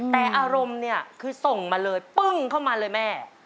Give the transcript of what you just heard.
แต่อารมณ์เนี่ยคือส่งมาเลยปึ้งเข้ามาเลยแม่